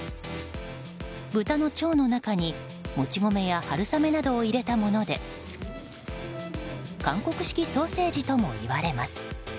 豚の腸の中にもち米や春雨などを入れたもので韓国式ソーセージともいわれます。